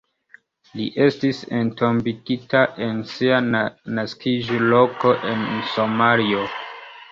Li estis entombigita en sia naskiĝloko en Somalio.